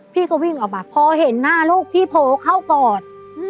พี่ก็วิ่งออกมาพอเห็นหน้าลูกพี่โผล่เข้ากอด